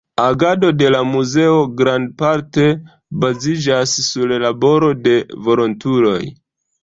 Agado de la muzeo grandparte baziĝas sur laboro de volontuloj.